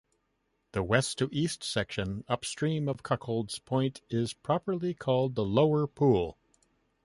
The west-to-east section upstream of Cuckold's Point is properly called the Lower Pool.